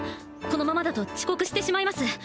このままだと遅刻してしまいます